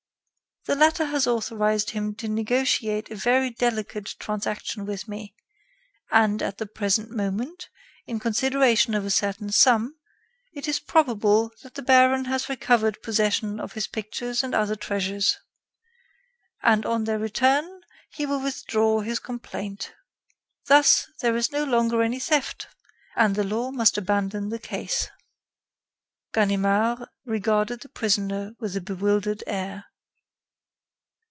The latter has authorized him to negotiate a very delicate transaction with me, and, at the present moment, in consideration of a certain sum, it is probable that the baron has recovered possession of his pictures and other treasures. And on their return, he will withdraw his complaint. Thus, there is no longer any theft, and the law must abandon the case." Ganimard regarded the prisoner with a bewildered air.